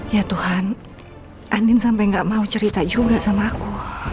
ya tuhan andin sampai gak mau cerita juga sama aku